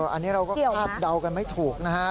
อันนี้เราก็คาดเดากันไม่ถูกนะฮะ